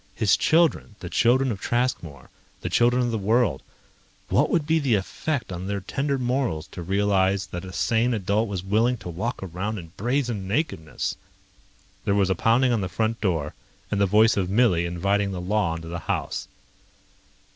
His children, the children of Traskmore, the children of the world ... what would be the effect on their tender morals to realize that a sane adult was willing to walk around in brazen nakedness? There was a pounding on the front door, and the voice of Millie inviting the law into the house.